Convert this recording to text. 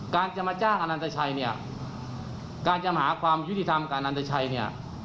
การจะมาจ้างอนันตชัยเนี่ยการจะมาหาความยุติธรรมการอันตชัยเนี่ย